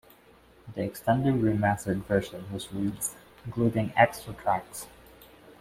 An extended re-mastered version was released, including extra tracks.